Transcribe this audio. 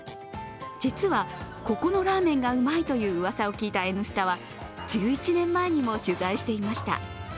実は、ここのラーメンがうまいと聞いた「Ｎスタ」は１１年前にも取材していました。